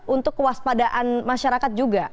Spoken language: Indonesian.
untuk kewaspadaan masyarakat juga